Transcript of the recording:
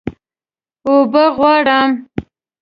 اوبه غواړم